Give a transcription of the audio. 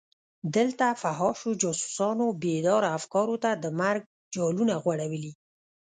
دلته فحاشو جاسوسانو بېداره افکارو ته د مرګ جالونه غوړولي.